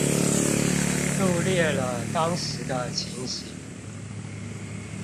錄裂了當時的情形